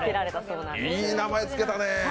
うわ、いい名前つけたね。